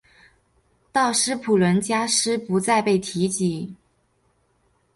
道斯普伦加斯不再被提及。